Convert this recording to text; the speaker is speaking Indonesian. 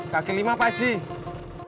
kakek lima pakcik